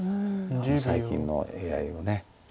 最近のＡＩを。